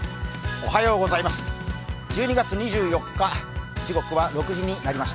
おはようございます。